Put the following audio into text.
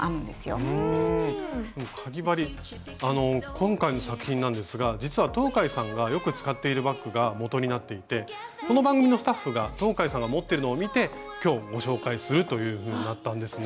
今回の作品なんですが実は東海さんがよく使っているバッグがもとになっていてこの番組のスタッフが東海さんが持っているのを見て今日ご紹介するというふうになったんですね。